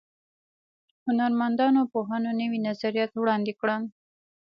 هنرمندانو او پوهانو نوي نظریات وړاندې کړل.